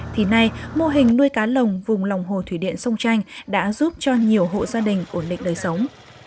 thì nay mô hình nuôi cá lồng vùng lòng hồ thủy điện sông chanh đã giúp cho nhiều hộ gia đình ổn định đời sống